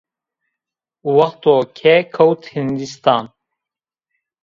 Wexto ke kewt Hindîstan